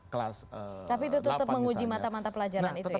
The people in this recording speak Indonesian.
tapi itu tetap menguji mata mata pelajaran itu ya